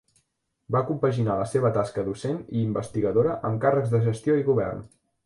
Va compaginar la seva tasca docent i investigadora amb càrrecs de gestió i govern.